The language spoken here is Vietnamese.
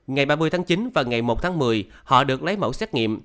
ngày ba mươi tháng chín và ngày một tháng một mươi họ được lấy mẫu xét nghiệm